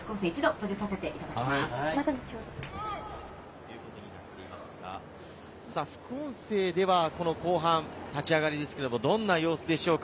守備に関してはほとんど封じているということになっていますが、副音声ではこの後半、立ち上がりですけれど、どんな様子でしょうか？